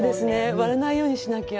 割れないようにしなきゃ。